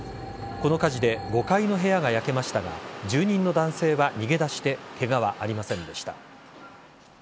この火事で５階の部屋が焼けましたが住人の男性は逃げ出してケガはありませんでした。